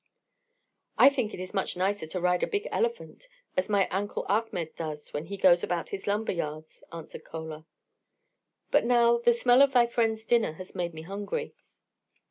"I think it is much nicer to ride a big elephant, as my Uncle Achmed does when he goes about his lumber yards," answered Chola. "But, Nao, the smell of thy friend's dinner has made me hungry.